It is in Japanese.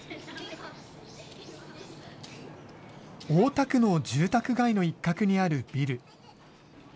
大田区の住宅街の一角にあるビル。